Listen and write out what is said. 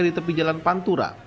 di tepi jalan pantura